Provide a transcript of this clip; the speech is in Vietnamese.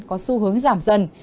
có xu hướng giảm dần